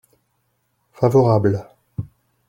Favorable.